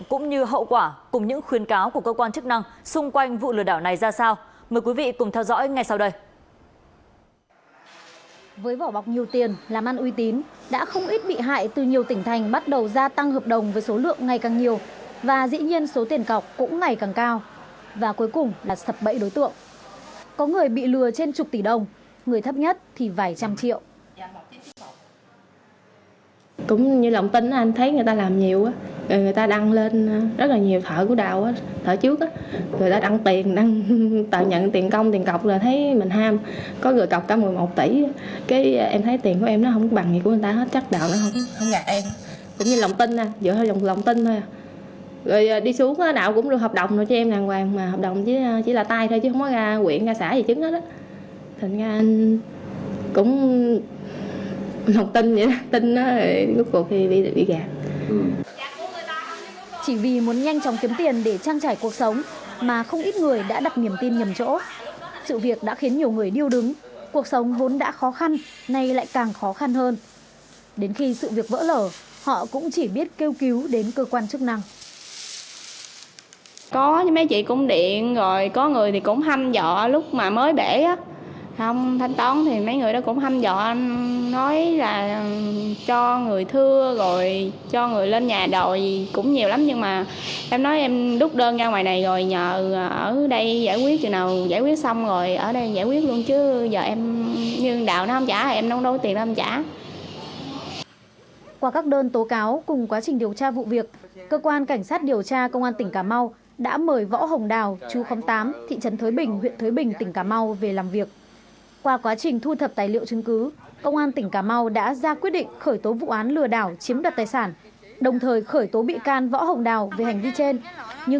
có người bị lừa trên chục tỷ đồng người thấp nhất thì vài trăm triệu